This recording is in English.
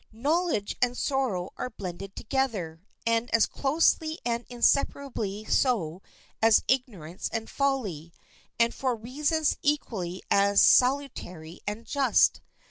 Knowledge and sorrow are blended together, and as closely and inseparably so as ignorance and folly, and for reasons equally as salutary and just.